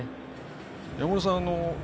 山村さん